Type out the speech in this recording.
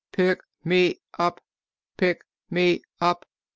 Pick me up! Pick me up!"